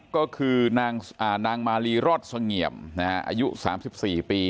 ก็คือนางมาลีรอดเสงี่ยมอายุ๓๔ปี